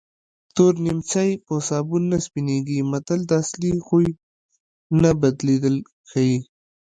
تور نیمڅی په سابون نه سپینېږي متل د اصلي خوی نه بدلېدل ښيي